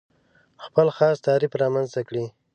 خپل خاص تعریف رامنځته کړي.